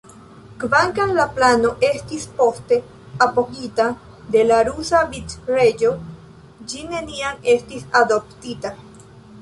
Kvankam la plano estis poste apogita de la rusa vicreĝo, ĝi neniam estis adoptita.